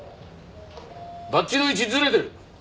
バッジの位置ずれてる。